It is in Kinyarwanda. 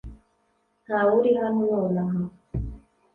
ntawe uri hano nonaha